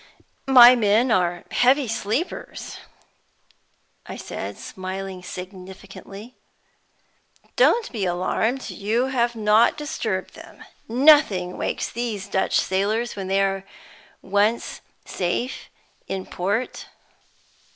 "My men are heavy sleepers," I said, smiling significantly. "Don't be alarmed; you have not disturbed them. Nothing wakes these Dutch sailors when they are once safe in port."